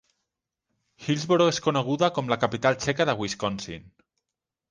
Hillsboro és coneguda com la capital txeca de Wisconsin.